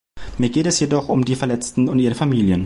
Mir geht es jedoch um die Verletzten und ihre Familien.